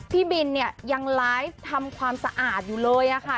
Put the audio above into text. พี่บินเนี่ยยังไลฟ์ทำความสะอาดอยู่เลยค่ะ